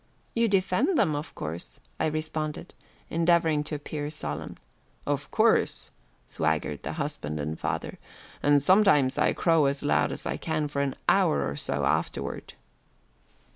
"You defend them, of course," I responded, endeavoring to appear solemn. "Of course," swaggered the husband and father, "and sometimes I crow as loud as I can for an hour or so afterward."